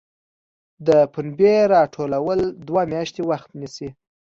د پنبې راټولول دوه میاشتې وخت نیسي.